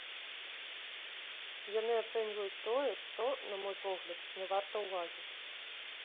Яны ацэньваюць тое, што, на мой погляд, не варта ўвагі.